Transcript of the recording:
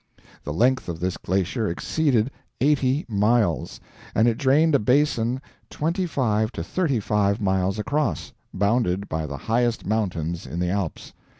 The length of this glacier exceeded EIGHTY MILES, and it drained a basin twenty five to thirty five miles across, bounded by the highest mountains in the Alps.